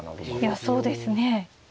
いやそうですね。